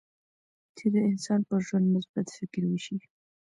چې د انسان پر ژوند مثبت فکر وشي.